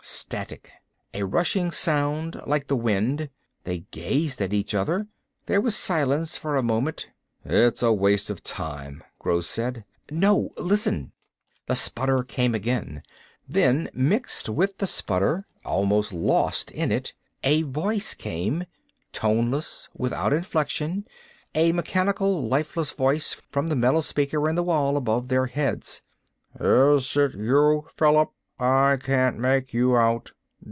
Static. A rushing sound, like the wind. They gazed at each other. There was silence for a moment. "It's a waste of time," Gross said. "No listen!" The sputter came again. Then, mixed with the sputter, almost lost in it, a voice came, toneless, without inflection, a mechanical, lifeless voice from the metal speaker in the wall, above their heads. "... Is it you, Philip? I can't make you out.